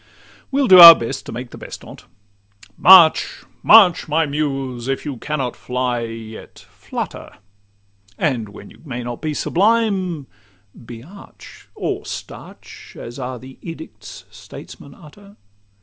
We'll do our best to make the best on 't:—March! March, my Muse! If you cannot fly, yet flutter; And when you may not be sublime, be arch, Or starch, as are the edicts statesmen utter.